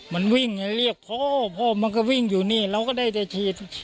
มันวิ่งเรียกพ่อพ่อมันก็วิ่งอยู่นี่เราก็ได้แต่ถีด